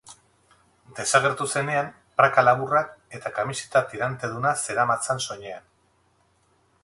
Desagertu zenean praka laburrak eta kamiseta tiranteduna zeramatzan soinean.